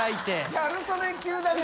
ギャル曽根級だね。